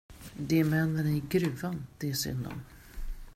Det är männen i gruvan det är synd om.